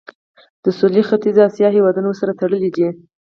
د سویل ختیځې اسیا هیوادونه ورسره تړلي دي.